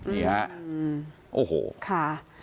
นี่ครับโอ้โหค่ะ